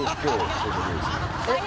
えっ？